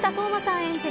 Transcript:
演じる